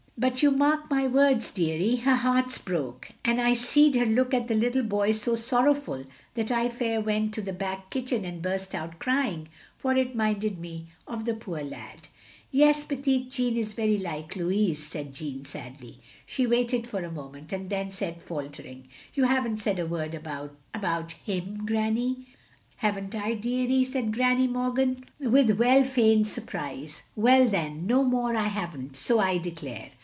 But you mark my words, deary, her heart 's broke; and I seed her look at the little boy so sorrowful that I fair went to the back kitchen and burst out cr3dng, for it minded me of the poor lad. " "Yes, petit Jean is very like Louis," said Jeanne, sadly. She waited for a moment, and then said, faltering, "You haven't said a word about — about him, Granny?" "Haven't I, deary?" said Granny Morgan, 38o THE LONELY LADY with well feigned surprise. " Well then, no more I have n't, so I declare!